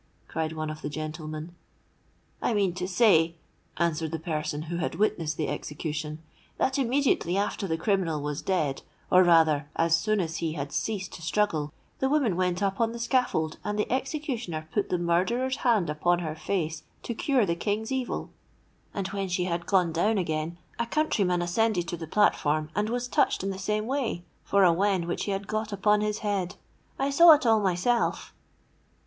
cried one of the gentlemen.—'I mean to say,' answered the person who had witnessed the execution, 'that immediately after the criminal was dead, or rather as soon as he had ceased to struggle, the woman went up on the scaffold and the executioner put the murderer's hand upon her face to cure the King's evil; and when she had gone down again, a countryman ascended to the platform, and was touched in the same way for a wen which he had got upon his head. I saw it all myself.'